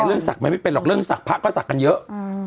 เรื่องสักมันไม่เป็นหรอกเรื่องสักพระก็สักกันเยอะ